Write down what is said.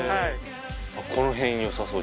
この辺よさそう。